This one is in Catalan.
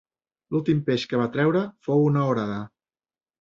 L’últim peix que va traure fou una orada.